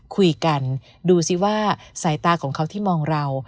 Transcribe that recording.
คุยกันดูสิว่าสายตาของเขาที่มองเรา